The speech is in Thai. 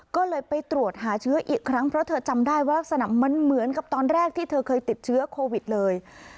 ก็เลยไปตรวจหาเชื้ออีกครั้งเพราะเธอจำได้ว่ารักษณะมันเหมือนกับตอนแรกที่เธอเคยติดเชื้อโควิดเลย